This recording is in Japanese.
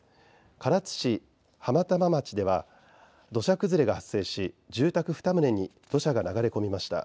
唐津市浜玉町では土砂崩れが発生し住宅２棟に土砂が流れ込みました。